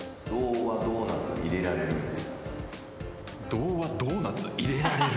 「ドはドーナツ入れられる」？